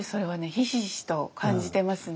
ひしひしと感じてますね。